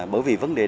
bởi vì vấn đề